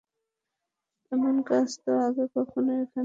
এমন কাজ তো আগে কখনো এখানে হয়নি।